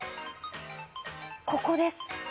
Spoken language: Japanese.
ここです。